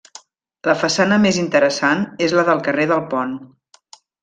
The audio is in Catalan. La façana més interessant és la del carrer del Pont.